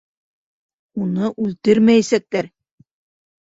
Уны үлтермәйәсәктәр!